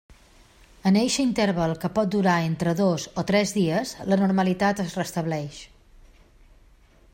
En eixe interval que pot durar entre dos o tres dies la normalitat es restableix.